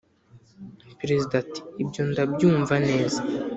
" perezida ati "ibyo ndabyumva neza,